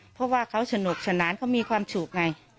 เพราะว่าเขาสนุกสนานเขามีความสุขไง